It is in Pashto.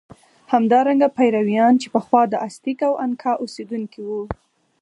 همدارنګه پیرویان چې پخوا د ازتېک او انکا اوسېدونکي وو.